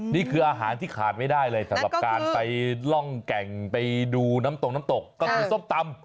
นี่คืออาหารที่ขาดไม่ได้เลยสำหรับการไปล่องแก่งไปดูน้ำตกน้ำตกก็คือส้มตำ